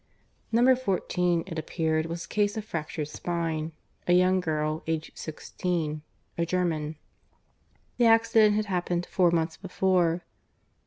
Number fourteen, it appeared, was a case of fractured spine a young girl, aged sixteen; a German. The accident had happened four months before.